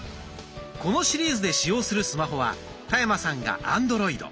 このシリーズで使用するスマホは田山さんがアンドロイド。